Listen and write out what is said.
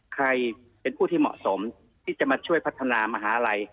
ใครเป็นผู้ที่เหมาะสมที่จะมาช่วยพัฒนามหาลัย